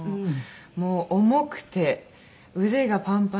もう重くて腕がパンパンで。